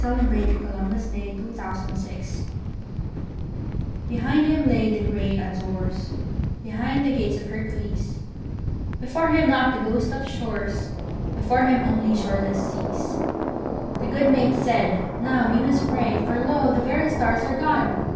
1900. By JoaquinMiller 798 Columbus BEHIND him lay the gray Azores, Behind the Gates of Hercules; Before him not the ghost of shores, Before him only shoreless seas. The good mate said: "Now must we pray, For lo! the very stars are gone.